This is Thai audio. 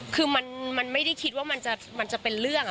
คือมันไม่ได้คิดว่ามันจะเป็นเรื่อง